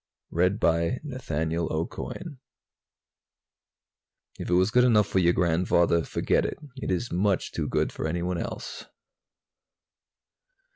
Illustrated by KOSSIN _If it was good enough for your grandfather, forget it ... it is much too good for anyone else!